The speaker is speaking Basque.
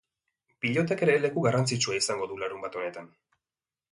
Pilotak ere leku garrantzitsua izango du larunbat honetan.